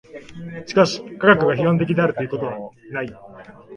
しかし科学が批判的であるということは